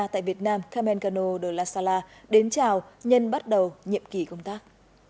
tại việt nam carmen cano de la sala đến chào nhân bắt đầu nhiệm kỳ công tác